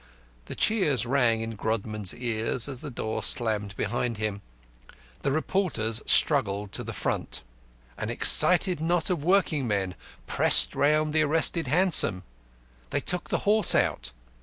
The cheers rang in Grodman's ears as the door slammed behind him. The reporters struggled to the front. An excited knot of working men pressed round the arrested hansom; they took the horse out.